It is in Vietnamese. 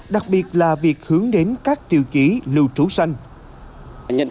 đặc biệt là việc hướng dẫn các khách sạn trở thành điểm du lịch